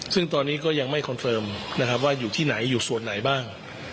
ซึ่งตอนนี้ก็ยังไม่คอนเฟิร์มนะครับว่าอยู่ที่ไหนอยู่ส่วนไหนบ้าง